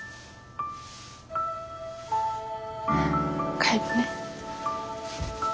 帰るね。